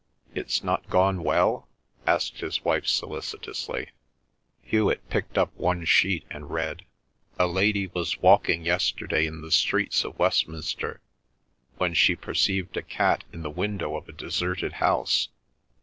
"It's not gone well?" asked his wife solicitously. Hewet picked up one sheet and read, "A lady was walking yesterday in the streets of Westminster when she perceived a cat in the window of a deserted house.